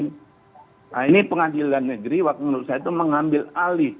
nah ini pengadilan negeri menurut saya itu mengambil alih